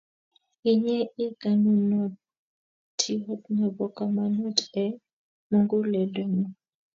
Inye ii kanunotiot nebo kamanut eng muguleldonyu